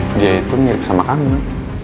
nah dia itu mirip sama kamu